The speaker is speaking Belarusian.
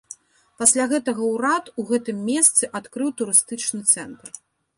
Пасля гэтага ўрад у гэтым месцы адкрыў турыстычны цэнтр.